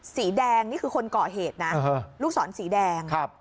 สีแดงนี่คือคนก่อเหตุนะลูกศรสีแดงครับ